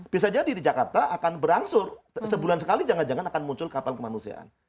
bisa jadi di jakarta akan berangsur sebulan sekali jangan jangan akan muncul kapal kemanusiaan